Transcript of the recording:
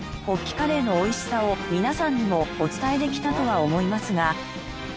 カレーの美味しさを皆さんにもお伝えできたとは思いますが。